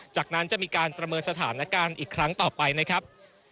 จากนั้นจะมีการประเมินสถานการณ์อีกครั้งต่อไปนะครับ